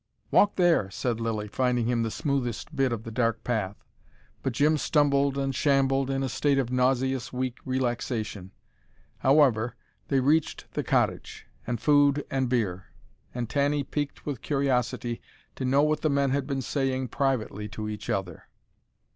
"Walk there !" said Lilly, finding him the smoothest bit of the dark path. But Jim stumbled and shambled, in a state of nauseous weak relaxation. However, they reached the cottage: and food and beer and Tanny, piqued with curiosity to know what the men had been saying privately to each other.